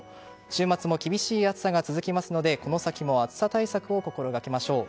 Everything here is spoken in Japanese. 週末も厳しい暑さが続きますので、この先も暑さ対策を心掛けましょう。